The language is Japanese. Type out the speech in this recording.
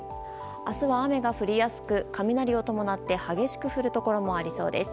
明日は雨が降りやすく雷を伴って激しく降るところもありそうです。